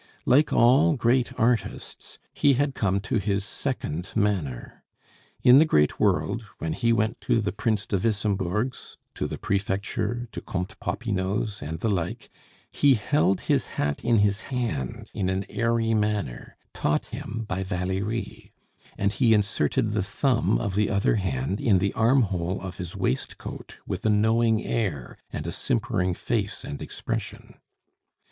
Like all great artists, he had come to his second manner. In the great world, when he went to the Prince de Wissembourg's, to the Prefecture, to Comte Popinot's, and the like, he held his hat in his hand in an airy manner taught him by Valerie, and he inserted the thumb of the other hand in the armhole of his waistcoat with a knowing air, and a simpering face and expression.